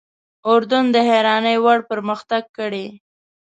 اردن د حیرانۍ وړ پرمختګ کړی.